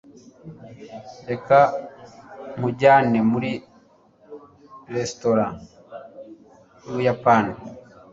Reka nkujyane muri resitora yUbuyapani.